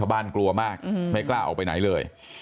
บ้านกลัวมากไม่กล้าออกไปไหนเลย